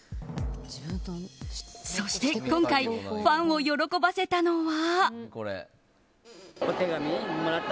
そして今回ファンを喜ばせたのは。